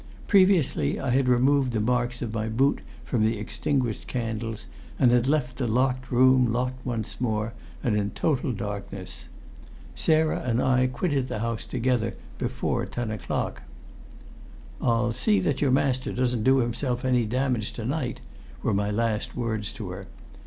Previously I had removed the marks of my boot from the extinguished candles, and had left the locked room locked once more and in total darkness. Sarah and I quitted the house together before ten o'clock. "I'll see that your master doesn't do himself any damage to night," were my last words to her.